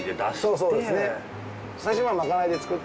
そうです。